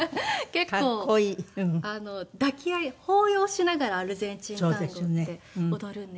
結構抱き合い抱擁しながらアルゼンチンタンゴって踊るんですけど。